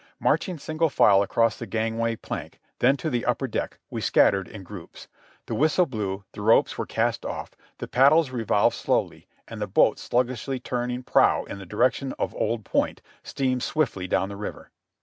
Marching single file across the gangway plank, then to the upper deck, we scattered in groups ; the whistle blew, the ropes were cast off, the paddles revolved slowly, and the boat sluggishly turning prow in the direction of Old Point, steamed swiftly down the river.